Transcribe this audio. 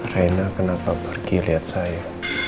raina kenapa pergi lihat saya